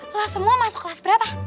lah semua masuk kelas berapa